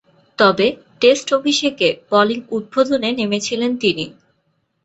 তবে, টেস্ট অভিষেকে বোলিং উদ্বোধনে নেমেছিলেন তিনি।